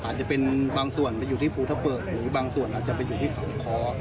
อาจจะเป็นบางส่วนจะมาอยู่ที่ภูทับเบิกหรือบางส่วนจะไปอยู่ที่คลาวคล